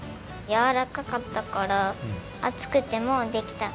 やわらかかったから熱くてもできた！